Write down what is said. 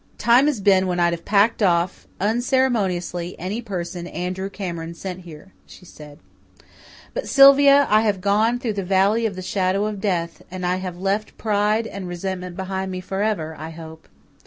"Time has been when I'd have packed off unceremoniously any person Andrew Cameron sent here," she said. "But, Sylvia, I have gone through the Valley of the Shadow of Death, and I have left pride and resentment behind me for ever, I hope.